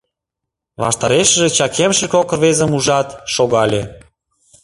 Ваштарешыже чакемше кок рвезым ужат, шогале.